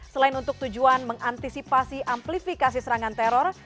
selain untuk tujuan mengantisipasi amplifikasi serangan teror